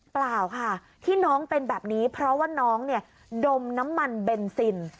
เปล่าค่ะที่น้องเป็นแบบนี้เพราะว่าน้องเนี่ยดมน้ำมันเบนซิน